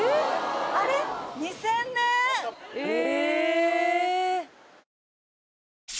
え。